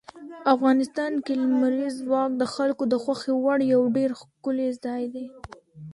افغانستان کې لمریز ځواک د خلکو د خوښې وړ یو ډېر ښکلی ځای دی.